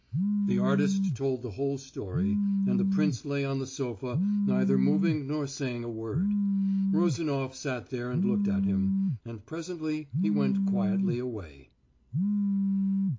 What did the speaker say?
'" The artist told the whole story, and the prince lay on the sofa neither moving nor saying a word. Rozanof sat there and looked at him, and presently he went quietly away.